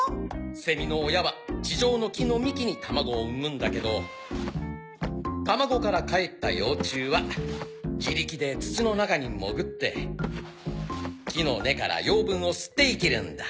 セミの親は地上の木の幹に卵を産むんだけど卵からかえった幼虫は自力で土の中に潜って木の根から養分を吸って生きるんだ。